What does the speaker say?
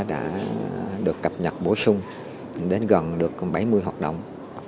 đã được cập nhật bổ sung đến gần được bảy mươi hoạt động